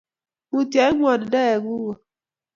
Mutyo eng ngwonindo ee kugo